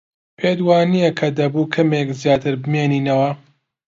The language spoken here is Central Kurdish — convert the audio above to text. پێت وانییە کە دەبوو کەمێک زیاتر بمێنینەوە؟